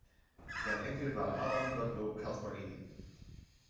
Sein Enkel war Adam Gottlob Casparini.